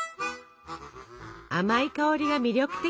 甘い香りが魅力的！